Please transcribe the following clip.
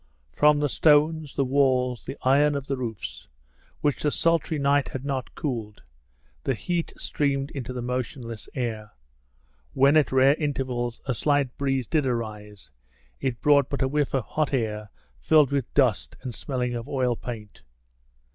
From the stones, the walls, the iron of the roofs, which the sultry night had not cooled, the heat streamed into the motionless air. When at rare intervals a slight breeze did arise, it brought but a whiff of hot air filled with dust and smelling of oil paint.